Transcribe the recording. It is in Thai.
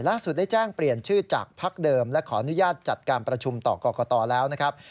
ได้แจ้งเปลี่ยนชื่อจากพักเดิมและขออนุญาตจัดการประชุมต่อกรกตแล้วนะครับ